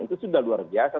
itu sudah luar biasa